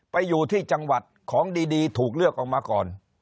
ไปอยู่ที่จังหวัดของดีถูกเลือกออกมาก่อน